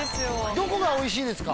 どこがおいしいんですか？